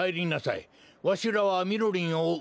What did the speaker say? わしらはみろりんをおう。